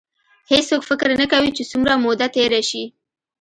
هېڅوک فکر نه کوي چې څومره موده تېره شي.